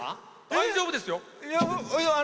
大丈夫ですよ。